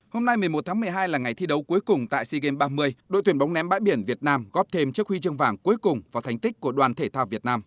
hôm nay một mươi một tháng một mươi hai là ngày thi đấu cuối cùng tại sea games ba mươi đội thuyền bóng ném bãi biển việt nam góp thêm chiếc huy chương vàng cuối cùng vào thành tích của đoàn thể thao việt nam